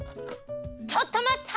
ちょっとまった！